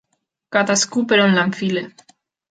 Cadascú per on l'enfila.